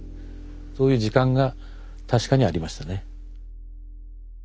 そういう時間が確かにありましたね。